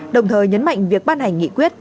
đồng thời nhấn mạnh việc ban hành nghị quyết